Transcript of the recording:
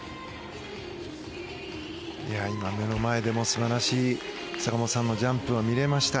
今、目の前で素晴らしい坂本さんのジャンプが見れました。